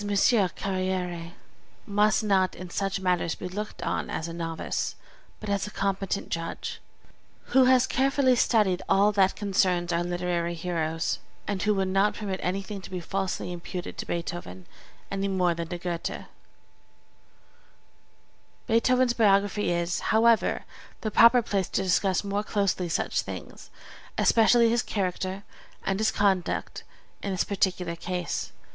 Carrière must not in such matters be looked on as a novice, but as a competent judge, who has carefully studied all that concerns our literary heroes, and who would not permit anything to be falsely imputed to Beethoven any more than to Goethe. Beethoven's biography is, however, the proper place to discuss more closely such things, especially his character and his conduct in this particular case.